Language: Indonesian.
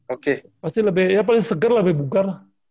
oke pasti lebih ya paling seger lebih bugar